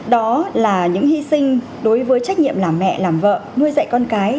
đó là những hy sinh đối với trách nhiệm là mẹ làm vợ nuôi dạy con cái